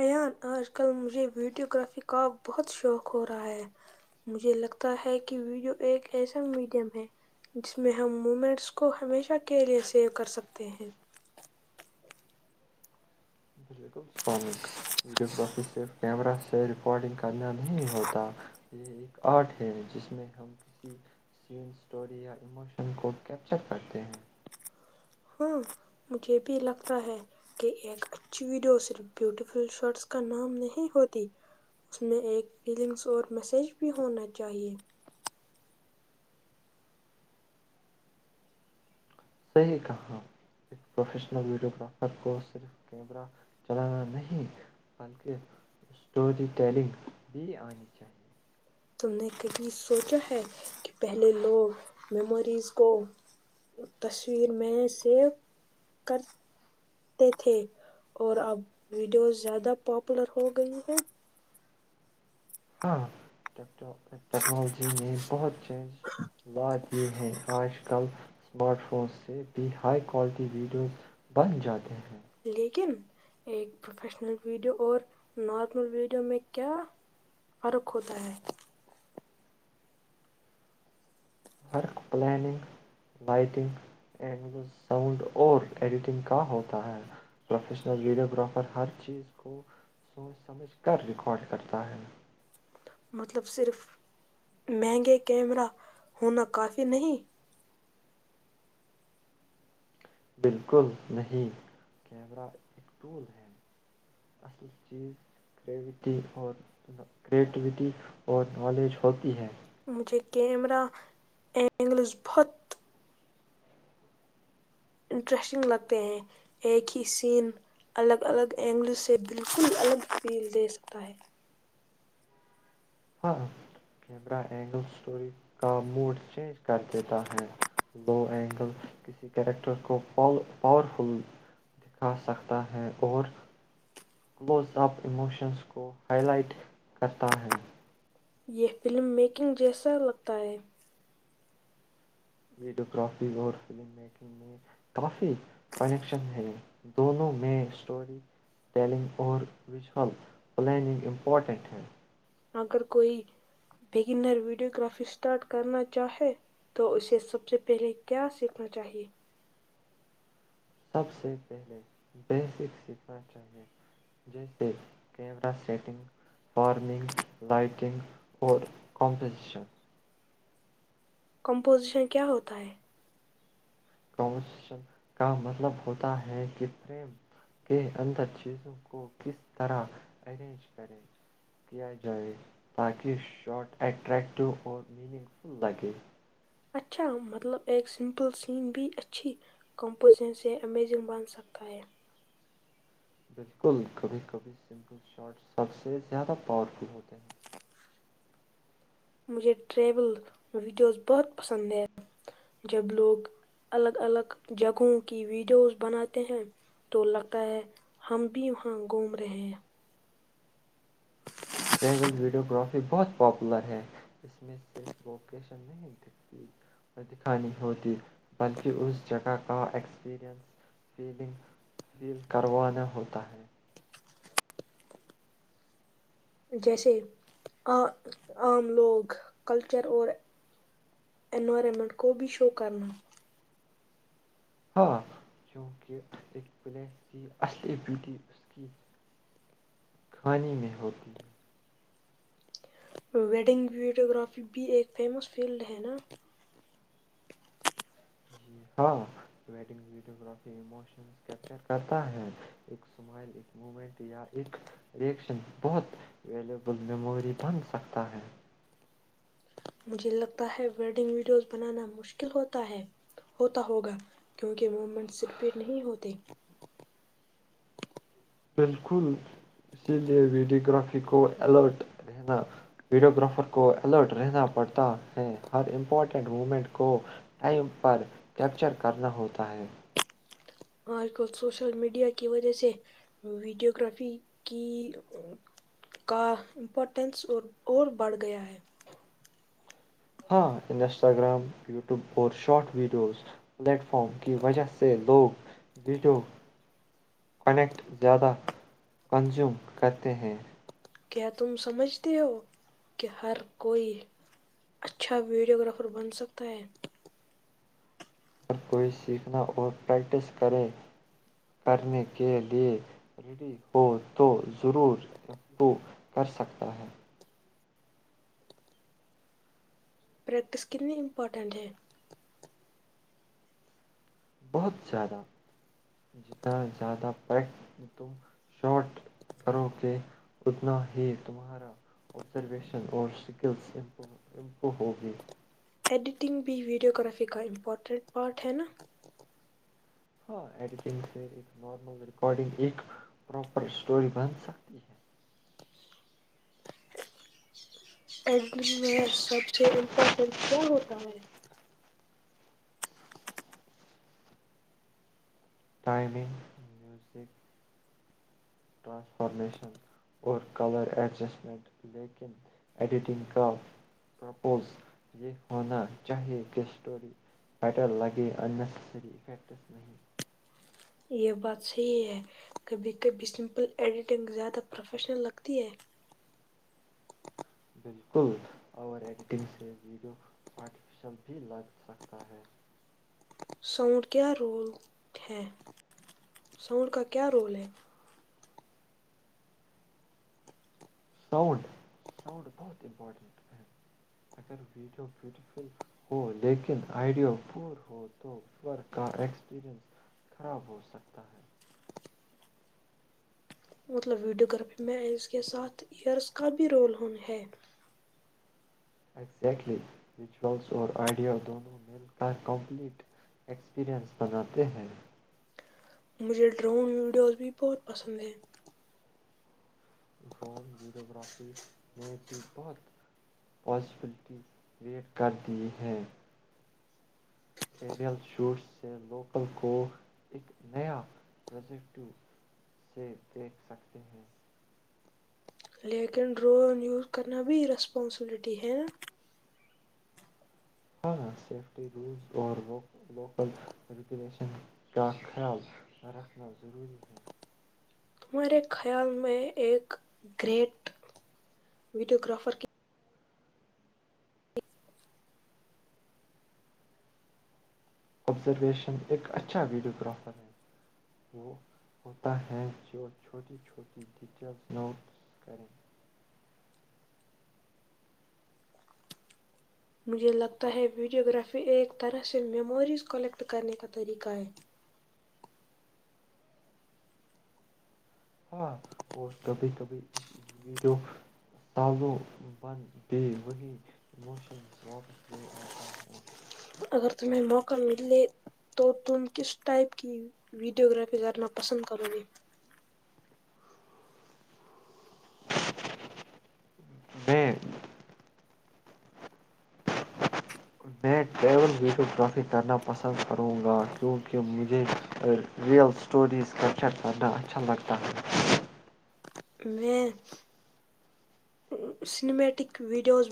ایان آج کل مجھے ویڈیو گرافی کا بہت شوق ہو رہا ہے مجھے لگتا ہے کہ ویڈیو ایک ایسا میڈیم ہے جس میں ہم مومنٹس کو ہمیشہ کے لیے سیو کر سکتے ہیں بالکل سومک ویڈیو گرافی صرف کیمرہ سے ریکارڈنگ کرنا نہیں ہوتا یہ ایک آرٹ ہے جس میں ہم کسی سین اسٹوری یا ایموشن کو کیپچر کرتے ہیں ہاں مجھے بھی لگتا ہے کہ ایک اچھی ویڈیو صرف بیوٹیفل شرٹس کا نام نہیں ہوتی اس میں ایک فیلنگس اور میسج بھی ہونا چاہیے صحیح کہاں ایک پروفیشنل ویڈیو گرافر کو صرف کیمرہ چلانا نہیں بلکہ اسٹوری ٹیلنگ بھی آنی چاہیے تم نے کہھی سوچا ہے کہ پہلے لوگ میموریز کو تصویر میں سیو کرتے تھے اور اب ویڈیوز زیادہ پاپولر ہو گئی ہے ہاں ٹیکنالوجی نے بہت ز وات ہیں آج کل اسمارٹ فون سے بھی ہائی کوالٹی ویڈیوز بن جاتے ہیں لیکن ایک پروفیشنل ویڈیو اور نارمل ویڈیو میں کیا فرق ہوتا ہے فرق پلاننگ لائٹنگ این ساؤنڈ اور ایڈیٹنگ کا ہوتا ہے پروفیشنل ویڈیوگرافر ہر چیز کو سوچ سمجھ کر ریکارڈ کرتا ہے مطلب صرف مہنگے کیمرہ ہونا کافی نہیں بالکل نہیں کیمرہ ایک ٹول ہے اصل چیز کریوٹی اور کریٹیوٹی اور نالج ہوتی ہے مجھے کیمرہ اینگلز بہت انٹرسٹنگ لگتے ہیں ایک ہی سین الگ الگ اینگل سے بالکل الگ فیل دے سکتا ہے ہاں کیمرہ اینگل اسٹوری کا موڈ چینج کر دیتا ہے لو اینگل کسی کیریکٹر کو پاورفل دکھا سکتا ہے اور کلوز اپ ایموشنز کو ہائی لائٹ کرتا ہے یہ فلم میکنگ جیسا لگتا ہے ویڈیو گرافی اور فلم میکنگ میں کافی کنیکشن ہے دونوں میں اسٹوری ٹیلنگ اور ویژول پلاننگ امپورٹنٹ ہے اگر کوئی بگنر ویڈیوگرافی اسٹارٹ کرنا چاہے تو اسے سب سے پہلے کیا سیکھنا چاہیے سب سے پہلے بیسک سیکھنا چاہیے جیسے کیمرہ سیٹنگ فارمنگ لائٹنگ اور کمپوزیشن کمپوزیشن کیا ہوتا ہے شن کا مطلب ہوتا ہے کہ فریم کے اندر چیزوں کو کس طرح ارینج کرے کیا جائے تاکہ شارٹ اٹریکٹیو اور میننگ فل لگے اچھا مطلب ایک سمپل سین بھی اچھی کمپوزن سے امیزنگ بن سکتا ہے بالکل کبھی کبھی سمپل شارٹ سب سے زیادہ پاورفل ہوتے ہیں مجھے ٹریول ویڈیوز بہت پسند ہے جب لوگ الگ الگ جگہوں کی ویڈیوز بناتے ہیں تو لگتا ہے ہم بھی وہاں گھوم رہے ہیں ٹریول ویڈیوگرافی بہت پاپولر ہے اس میں صرف ووکیشن نہیں دکھتی اور دکھانی ہوتی بلکہ اس جگہ کا ایکسپریئنس فیلنگ فیل کروانا ہوتا ہے جیسے ع عام لوگ کلچر اور انوائرمنٹ کو بھی شو کرنا ہاں کیونکہ ایک پلیس کی اصلی بیوٹی اس کی کانی میں ہوتی ہے ویڈنگ ویڈیوگرافی بھی ایک فیمس فیلڈ ہے نا جی ہاں ویڈنگ ویڈیو گافیموشن کیپچر کرتا ہے ایک سمائل ایک مومنٹ یا ایکشن بہت ویبل میموری بن سکتا ہے مجھے لگتا ہے ویڈنگ ویڈیوز بنانا مشکلتا ہوتا ہوگا کیونکہ موومنٹ صرپیٹ نہیں ہوتے بالکل اسی لیے وڈ گرافی کو الرٹ رہنا ویڈیو گرافر کو الرٹ رہنا پڑتا ہے ہر امپورٹینٹ مومنٹ کو پر کیپچر کرنا ہوتا ہے آج کل سوشل میڈیا کی وجہ سے ویڈیو گگرافی کی کا امپورٹینس اور اور بڑھ گیا ہے ہاں انسٹاگرام یوٹیوب اور شارٹ ویڈیوز پلیٹ فاروم کی وجہ سے لوگ ویڈیو کنیکٹ زیادہ کنزیوم کرتے ہیں کیا تم سمجھتے ہو کہ ہر کوئی اچھا ویڈیوگررافر بن سکتا ہے اگر کوئی سیکھنا اور پریکٹس کریں کرنے کے لئے ریڈی ہو تو ضرور امپرو کر سکتا ہے پریکٹس کنی امپورٹنٹ ہے بہت زیادہ جتنا زیادہ پریکٹ تم شارٹ کرو گے اتنا ہی تمہارا آبزرویشن اور اسکلس امپ امپرو ہوگی ایڈیٹنگ بھی ویڈیو گرافی کا امپورٹنٹ پارٹ ہے نا ہاں ایڈیٹنگ سے ایک نارمل ریکارڈنگ ایک پراپر اسٹوری بن سکتی ہے ایک میں سب سے امپورٹینٹ کیا ہوتا ہے ٹائمنگ میوزک ٹرانسفارمیشن اور کلر ایڈجسٹمنٹ لیکن ایڈیٹنگ کا پرپوز یہ ہونا چاہیے کہ اسٹوری بیٹر لگے اننییسیسری افیکٹس نہیں یہ بات صحیح ہے کبھی کبھی سمپل ایڈیٹنگ زیادہ پروفیشنل لگتی ہے بالکل اور ایڈیٹنگ سے ویڈیو آرٹیفیشیل بھی لگ سکتا ہے ساؤنڈ کیا رول ہے ساؤنڈ کا کیا رول ہے ساؤنڈ ساؤنڈ بہت امپورٹنٹ ہے اگر ویڈیو بیوٹیفل ہو لیکن آئیڈیو پور ہو تو پیور کا ایکسپریئنس خراب ہو سکتا ہے مطلب ویڈیوگرافی میں اس کے ساتھ ایئرس کا بھی رول ہو ہے ایزیکٹلی ویژوئولس اور آڈیو دونوں مل کا کمپلیٹ ایکسپریئنس بناتے ہیں مجھے ڈرون ویڈیوز بھی بہت پسند ہیں ڈرون ویڈیوگرافی نے بھی بہت پوسبلٹی کریئٹ کر دی ہیں ایریل شوز سے لوکل کو ایک نیا پروجیکٹو سے دیکھ سکتے ہیں لیکن ڈرون یوز کرنا بھی رسپانسبلٹی ہے نا ہاں سیفٹی رولز اور لوک لوکل ریگولیشن کا خیال رکھنا ضروری ہے ہمارے خیال میں ایک گریٹ ویڈیو گرافر کی آبزرویشن ایک اچھا ویڈیوگررافر ہے وہ ہوتا ہے جو چھوٹی چھوٹی ڈیٹیلس نوٹس کریں مجھے لگتا ہے ویڈیوگرافی ایک طرح سے میموریز کلیکٹ کرنے کا طریقہ ہے ہاں اور کبھی کبھی ایک ویڈیوالو بن د وہیموشن واپس لے آتا ہے اگر تمہیں موقع ملے تو تم کس ٹائپ کی ویڈیوگرافی کرنا پسند کرو گے میں میں ٹریول ویڈیوگررافی کرنا پسند کروں گا کیونکہ مجھے ریئل اسٹوریز کیپچر کرنا اچھا لگتا ہے میں سنیمیٹک ویڈیوز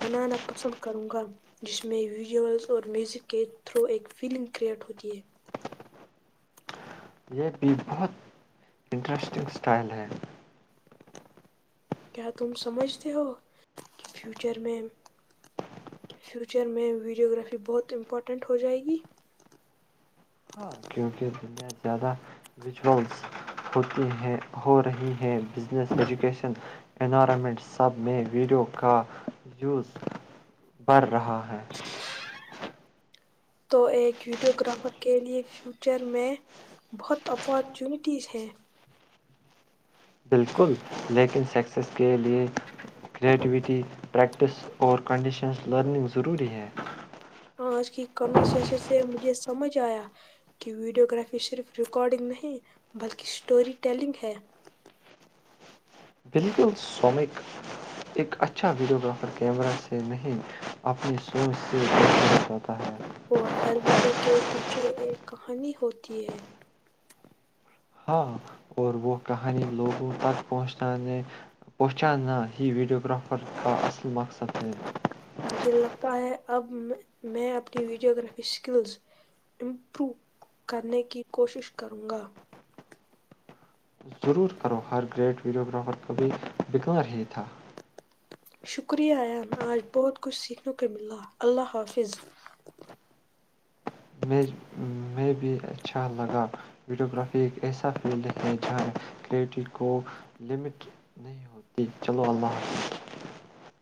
بنانا پسند کروں گا جس میں ویڈیولز اور میوزک کے تھرو ایک فیلنگ کریئٹ ہوتی ہے یہ بھی بہت انٹرسٹنگ اسٹائل ہے کیا تم سمجھتے ہو کہ فیچر میں فیوچر میں ویڈیو گرافی بہت امپورٹینٹ ہو جائے گی ہاں کیونکہ دنیا زیادہ ویژل ہو رہی ہے بزنس ایجوکیشن انوائرمنٹ سب میں ویڈیو کایوز بڑھ رہا ہے تو ایک ویڈیو گرافر کے لیے فیوچر میں بہت اپارچونیٹیز ہے بالکل لیکن سکسیس کے لیے کرٹیویٹی پریکٹس اور کنڈیشنس لرننگ ضروری ہے آج کی کنورسشن سے مجھے سمجھ آیا کہ ویڈیو گرافی صرف ریکارڈنگ نہیں بلکہ اسٹوری ٹیلنگ ہے بالکل سومک ایک اچھا ویڈیو گرافر کیمرہ سے نہیں اپنی سوچ سےتا ہے اور ہر ویڈیو کے پیچھے ایک کہانی ہوتی ہے ہاں اور وہ کہانی لوگوں تک پہنچانے پہنچانا ہی ویڈیو گرافر کا ال م جے لگتا ہے اب میں اپنی ویڈیو گرافی اسکلز امپروو کرنے کی کوشش کروں گا ضرور کرو ہر گریٹ ویڈیوگرافر کبھی بگار ہی تھا شکریہ اان آج بہت کچھ سیکھنے کو ملالا اللہ حافظ میں میں بھی اچھا لگا ویڈیوگررافی ایک ایسا فیلڈ ہے جہاں کریٹیو کو لمٹ نہیں ہوتی چلو اللہ حافظ